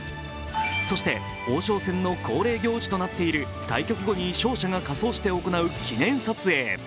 そして王将戦の恒例行事となっている対局後に勝者が仮装して行う記念撮影。